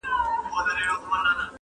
کوفه کوفه ، کوڅه کوڅه د وطن